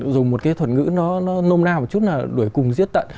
dùng một cái thuật ngữ nó nôm nao một chút là đuổi cùng giết tận